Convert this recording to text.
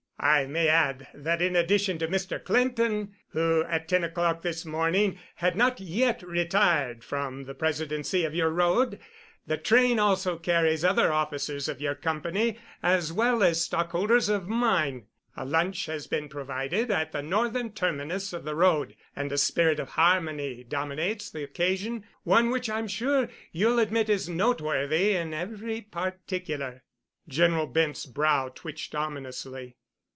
"I may add that in addition to Mr. Clinton (who at ten o'clock this morning had not yet retired from the presidency of your road), the train also carries other officers of your company as well as stockholders of mine. A lunch has been provided at the northern terminus of the road, and a spirit of harmony dominates the occasion—one which I'm sure you'll admit is noteworthy in every particular." General Bent's brow twitched ominously.